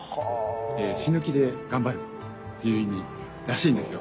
え死ぬ気で頑張るっていう意味らしいんですよ。